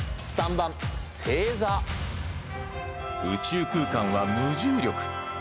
宇宙空間は無重力。